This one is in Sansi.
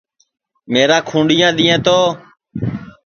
میرا کھُونڈِؔیا دؔیئیں تو